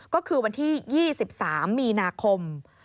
ก็คือวันที่๒๓มีนาคม